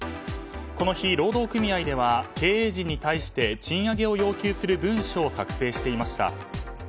この日、労働組合では経営陣に対して賃上げを要求する文書を作成していました。